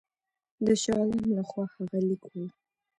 د شاه عالم له خوا هغه لیک وو.